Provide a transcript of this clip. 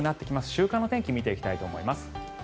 週間の天気も見ていきたいと思います。